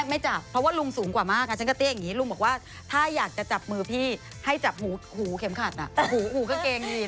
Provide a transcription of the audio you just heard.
ไม่จับเพราะว่าลุงสูงกว่ามากฉันก็เตี้ยอย่างนี้ลุงบอกว่าถ้าอยากจะจับมือพี่ให้จับหูเข็มขัดหูหูกางเกงนี่